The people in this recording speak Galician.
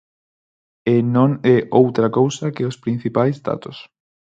E non é outra cousa que os principais datos.